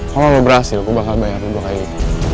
kalau lu berhasil gue bakal bayar dua kali